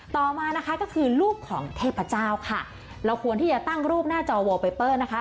ต่อมานะคะก็คือรูปของเทพเจ้าค่ะเราควรที่จะตั้งรูปหน้าจอวไปเปอร์นะคะ